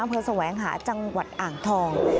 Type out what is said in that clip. แสวงหาจังหวัดอ่างทอง